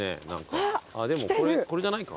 あっでもこれじゃないか？